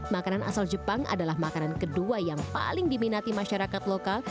makanan asal jepang adalah makanan kedua yang paling diminati masyarakat lokal